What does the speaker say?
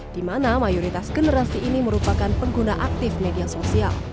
di mana mayoritas generasi ini merupakan pengguna aktif media sosial